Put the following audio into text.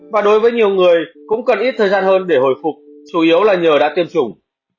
và đối với nhiều người cũng cần ít thời gian hơn để hồi phục chủ yếu là nhờ đã tiêm chủng